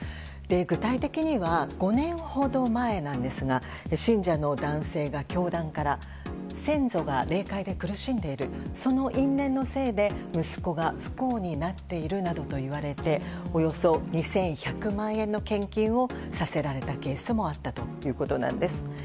具体的には５年ほど前なんですが信者の男性が教団から先祖が霊界で苦しんでいるその因縁のせいで息子が不幸になっているなどと言われておよそ２１００万円の献金をさせられたケースもあったということなんです。